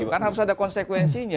kan harus ada konsekuensinya